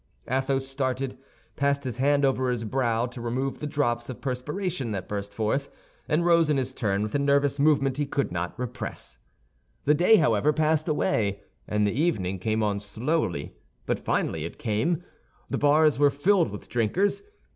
Athos started, passed his hand over his brow to remove the drops of perspiration that burst forth, and rose in his turn with a nervous movement he could not repress. The day, however, passed away; and the evening came on slowly, but finally it came. The bars were filled with drinkers.